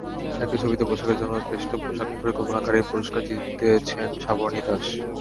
একই ছবিতে পোশাকের জন্য শ্রেষ্ঠ পোশাক পরিকল্পনাকারীর পুরস্কার জিতেছেন সাবর্ণী দাস।